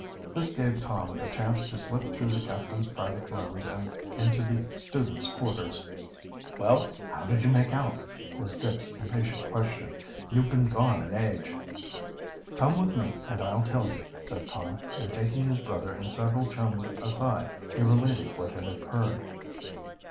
This gave Tom the chance to slip through the captain's private rooms and into the students' quarters. "Well, how did you make out?" was Dick's impatient question. "You've been gone an age." "Come with me and I'll tell you," said Tom, and taking his brother and several chums aside he related what had occurred.